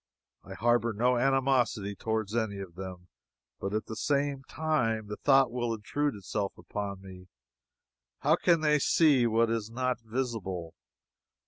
I harbor no animosity toward any of them. But at the same time the thought will intrude itself upon me, How can they see what is not visible?